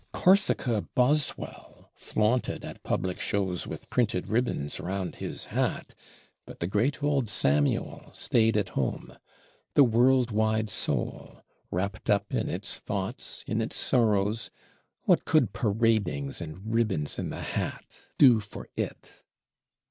"Corsica Boswell" flaunted at public shows with printed ribbons round his hat; but the great old Samuel stayed at home. The world wide soul, wrapt up in its thoughts, in its sorrows; what could paradings and ribbons in the hat, do for it?